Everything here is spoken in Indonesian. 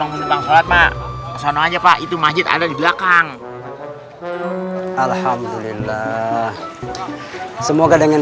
ya udah kalau mau sobat mak soalnya pak itu majid ada di belakang alhamdulillah semoga dengan